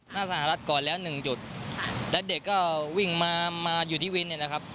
หน้าสหรัฐก่อนแล้วหนึ่งจุดแล้วเด็กก็วิ่งมามาอยู่ที่วินเนี่ยนะครับ